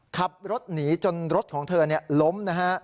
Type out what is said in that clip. ขับรถหนีจนรถของเธอล้มนะฮะ